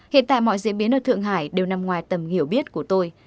hiện tại mọi diễn biến ở thượng hải đều nằm ngoài tầm hiểu biết của tôi